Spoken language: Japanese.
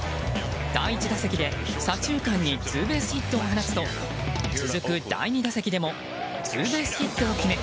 第１打席で左中間にツーベースヒットを放つと続く第２打席でもツーベースヒットを決め